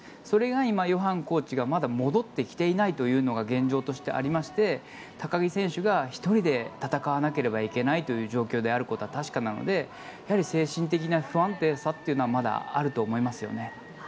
それが今、ヨハンコーチがまだ戻ってきていないというのが現状としてありまして高木選手が１人で戦わなければいけないという状況であることは確かなので精神的な不安定さというのはまだあると思いますよね。